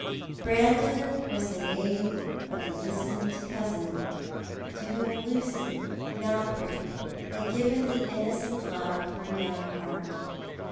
Brandon was the name of the distant cousin to whom Lucy 54 TJioit art the Man. Mountford had given the innocent love of her young heart.